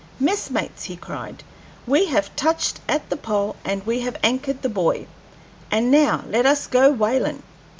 "Messmates!" he cried, "we have touched at the pole, and we have anchored the buoy, and now let us go whalin'.